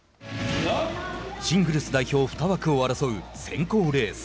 シングルス代表２枠を争う選考レース。